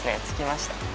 着きました。